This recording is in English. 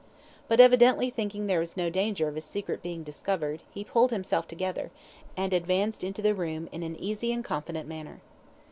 But, evidently, thinking there was no danger of his secret being discovered, he pulled himself together, and advanced into the room in an easy and confident manner.